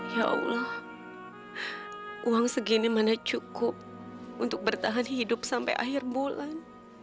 ya allah uang segini mana cukup untuk bertahan hidup sampai akhir bulan